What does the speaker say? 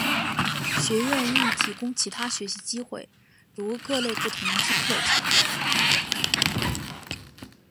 学院亦提供其他学习机会如各类不同之课程。